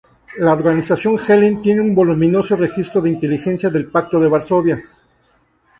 La Organización Gehlen tiene un voluminoso registro de inteligencia del Pacto de Varsovia.